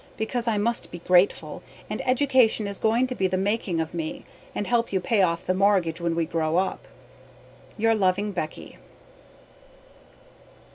because I must be grateful and edducation is going to be the making of me and help you pay off the morgage when we grow up. Your loving Becky.